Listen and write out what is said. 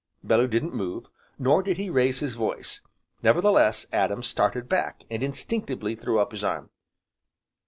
Bellew didn't move, nor did he raise his voice, nevertheless Adam started back, and instinctively threw up his arm.